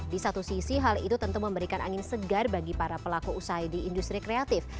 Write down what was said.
di satu sisi hal itu tentu memberikan angin segar bagi para pelaku usai di industri kreatif